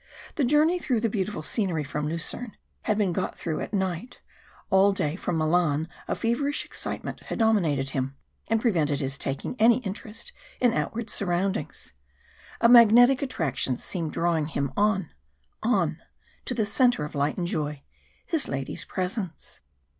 The journey through the beautiful scenery from Lucerne had been got through at night all day from Milan a feverish excitement had dominated him, and prevented his taking any interest in outward surroundings. A magnetic attraction seemed drawing him on on to the centre of light and joy his lady's presence.